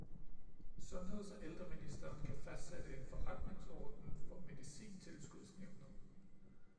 Sundheds- og ældreministeren kan fastsætte en forretningsorden for Medicintilskudsnævnet